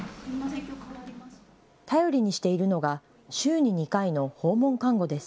頼りにしているのが週に２回の訪問看護です。